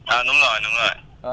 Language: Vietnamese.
à đúng rồi đúng rồi